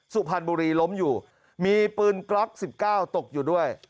สุพรรณบุรีล้มอยู่มีปืนกล๊อก๑๙ตกอยู่ด้วย